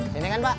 sini kan pak